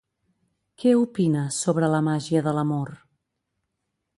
Què opina sobre la màgia de l'amor?